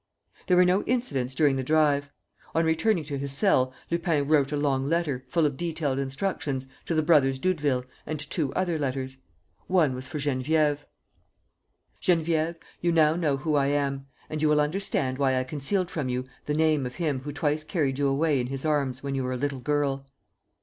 There were no incidents during the drive. On returning to his cell, Lupin wrote a long letter, full of detailed instructions, to the brothers Doudeville and, two other letters. One was for Geneviève: "Geneviève, you now know who I am and you will understand why I concealed from you the name of him who twice carried you away in his arms when you were a little girl.